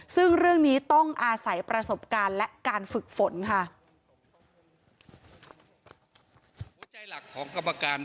ซึ่งเรื่องนี้ต้องอาศัยประสบการณ์และการฝึกฝนค่ะ